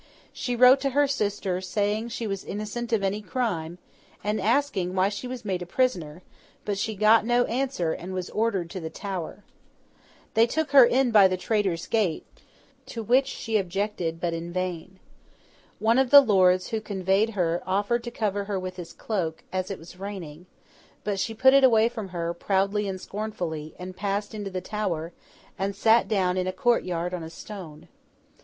She wrote to her sister, saying she was innocent of any crime, and asking why she was made a prisoner; but she got no answer, and was ordered to the Tower. They took her in by the Traitor's Gate, to which she objected, but in vain. One of the lords who conveyed her offered to cover her with his cloak, as it was raining, but she put it away from her, proudly and scornfully, and passed into the Tower, and sat down in a court yard on a stone.